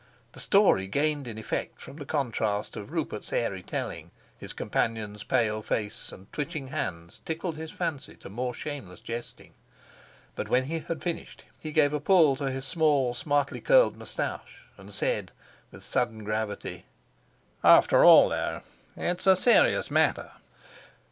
The story gained in effect from the contrast of Rupert's airy telling; his companion's pale face and twitching hands tickled his fancy to more shameless jesting. But when he had finished, he gave a pull to his small smartly curled moustache and said with a sudden gravity: "After all, though, it's a serious matter."